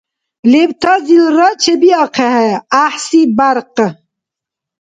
Лебтазилра чебиахъехӀе гӀяхӀси бяркъ.